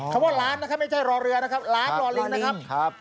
อ๋อคำว่าร้านนะครับไม่ใช่รอเรือนะครับร้านหล่อลิ้งนะครับร้านหล่อลิ้งครับ